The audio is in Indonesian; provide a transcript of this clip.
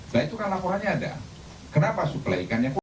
nah itu kan laporannya ada kenapa suplai ikan yang putus